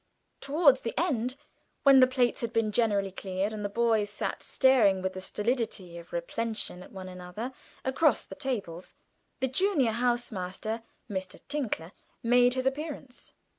Towards the end, when the plates had been generally cleared, and the boys sat staring with the stolidity of repletion at one another across the tables, the junior house master, Mr. Tinkler, made his appearance.